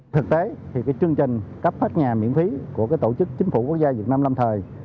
thực tế thì chương trình cấp phát nhà miễn phí của tổ chức chính phủ quốc gia việt nam lâm thời